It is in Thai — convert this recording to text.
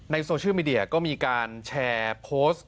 โซเชียลมีเดียก็มีการแชร์โพสต์